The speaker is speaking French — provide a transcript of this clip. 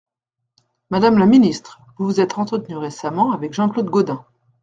Madame la ministre, vous vous êtes entretenue récemment avec Jean-Claude Gaudin.